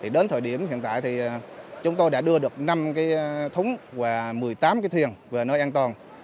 đến thời điểm hiện tại chúng tôi đã đưa được năm thúng và một mươi tám thiền về nơi an toàn